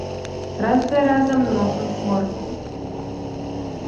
Раз за разам носам сморгаў.